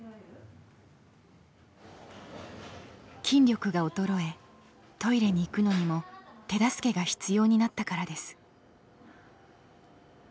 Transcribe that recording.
筋力が衰えトイレに行くのにも手助けが必要になったからです。